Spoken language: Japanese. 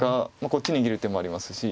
こっちに逃げる手もありますし。